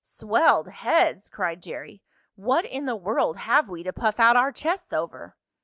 "Swelled heads!" cried Jerry. "What in the world have we to puff out our chests over?"